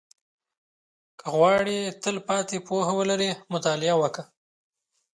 • که غواړې تلپاتې پوهه ولرې، مطالعه وکړه.